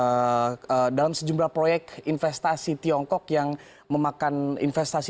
dalam paparannya dalam sejumlah dalam sejumlah proyek investasi tiongkok yang memakan investasi